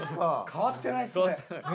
変わってないっすね。